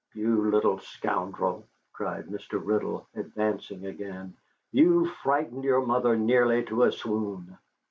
You little scoundrel," cried Mr. Riddle, advancing again, "you've frightened your mother nearly to a swoon."